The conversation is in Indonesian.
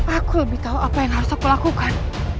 aku lebih tahu apa yang harus aku lakukan